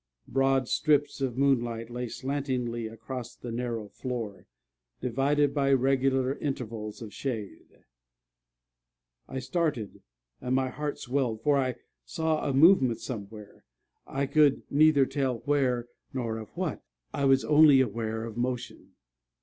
Broad strips of moonlight lay slantingly across the narrow floor, divided by regular intervals of shade. I started, and my heart swelled; for I saw a movement somewhere I could neither tell where, nor of what: I was only aware of motion.